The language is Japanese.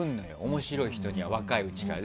面白い人には若いうちから。